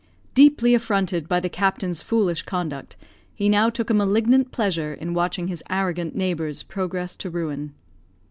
Deeply affronted by the captain's foolish conduct, he now took a malignant pleasure in watching his arrogant neighbour's progress to ruin.